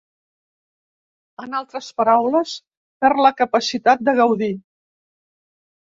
En altres paraules, perd la capacitat de gaudir.